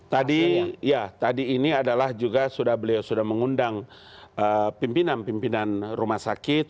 tadi ya tadi ini adalah juga beliau sudah mengundang pimpinan pimpinan rumah sakit